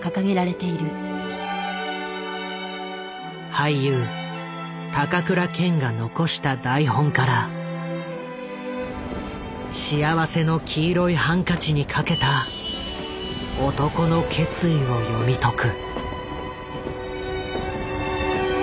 俳優高倉健が残した台本から「幸福の黄色いハンカチ」に懸けた男の決意を読み解く。